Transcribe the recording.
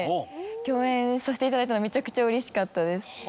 共演させていただいたのめちゃくちゃうれしかったです。